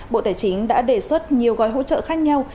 bộ tài chính đã đề xuất nhiều gói hỗ trợ khác nhau